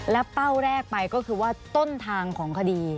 และเป้าแรกไปก็คือว่าต้นทางของคดี